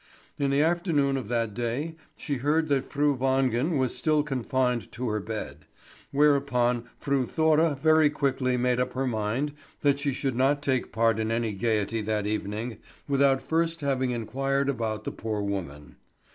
In the afternoon of that day she heard that Fru Wangen was still confined to her bed; whereupon Fru Thora very quickly made up her mind that she could not take part in any gaiety that evening without first having inquired about the poor woman.